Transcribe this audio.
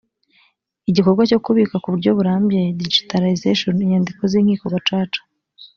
igikorwa cyo kubika ku buryo burambye digitalization inyandiko z inkiko gacaca